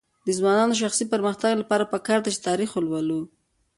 د ځوانانو د شخصي پرمختګ لپاره پکار ده چې تاریخ ولولي.